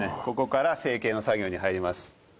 ここから成形の作業に入ります。